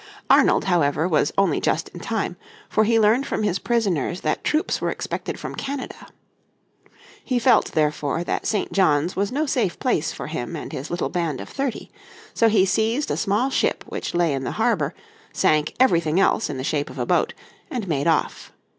Arnold, however, was only just in time, for he learned from his prisoners that troops were expected from Canada. He felt therefore that St. John's was no safe place for him and his little band of thirty. So he seized a small ship which lay in the harbour, sank everything else in the shape of a boat, and made off.